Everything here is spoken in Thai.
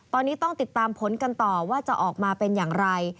ตอนนี้ต้องติดตามผลกันต่อว่าจะออกมาเป็นอย่างไร